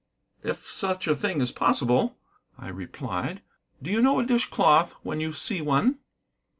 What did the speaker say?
"If such a thing is possible," I replied. "Do you know a dish cloth when you see one?"